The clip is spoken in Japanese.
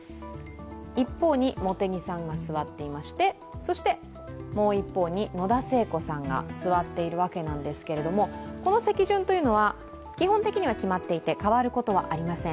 一方に茂木さんが座っていましてそしてもう一方に野田聖子さんが座っているわけなんですけれどもこの席順というのは、基本的には決まっていて変わることはありません。